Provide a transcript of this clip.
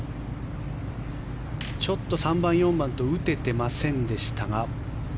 ちょっと３番、４番と打ててませんでしたが